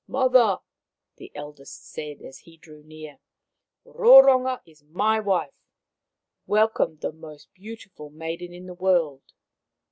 " Mother," the eldest said as he drew near. " Roronga is my wife. Welcome the most beautiful maiden in the world."